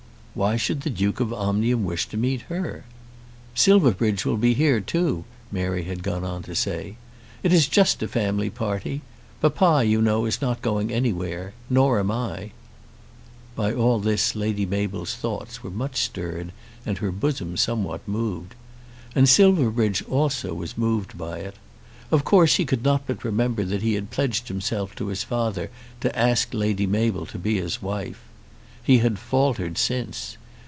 Why should the Duke of Omnium wish to meet her? "Silverbridge will be here too," Mary had gone on to say. "It is just a family party. Papa, you know, is not going anywhere; nor am I." By all this Lady Mabel's thoughts were much stirred, and her bosom somewhat moved. And Silverbridge also was moved by it. Of course he could not but remember that he had pledged himself to his father to ask Lady Mabel to be his wife. He had faltered since.